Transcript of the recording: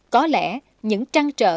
có lẽ những trăng trợ